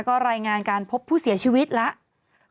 ก็รายงานการพบผู้เสียชีวิตแล้ว